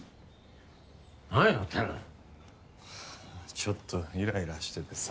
ちょっとイライラしててさ。